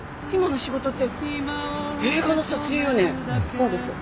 そうです。